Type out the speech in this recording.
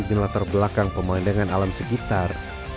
dengan latar belakang pemandangan alam sekitar